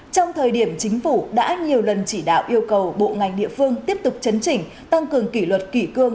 trong thời điểm chính phủ đã nhiều lần chỉ đạo yêu cầu bộ ngành địa phương tiếp tục chấn chỉnh tăng cường kỷ luật kỷ cương